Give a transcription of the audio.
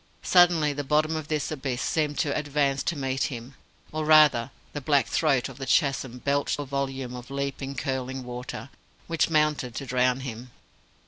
Suddenly the bottom of this abyss seemed to advance to meet him; or, rather, the black throat of the chasm belched a volume of leaping, curling water, which mounted to drown him.